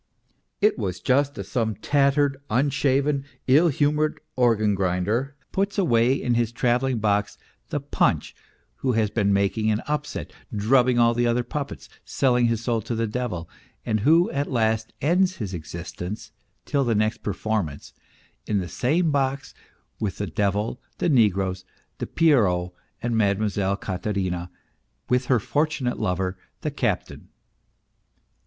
It was just as some tattered, unshaven, ill humoured organ grinder puts away in his travelling box the Punch who has been making an upset, drubbing all the other puppets, selling his soul to the devil, and who at last ends his existence, till the next performance, in the same box with the devil, the negroes, the Pierrot, and Mademoiselle Katerina with her fortunate lover, the captain.